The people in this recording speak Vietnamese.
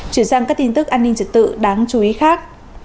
chuyển sang các tin tức an ninh trật tự đáng chú ý khác